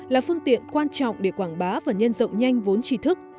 là phương tiện quan trọng để quảng bá và nhân rộng nhanh vốn trí thức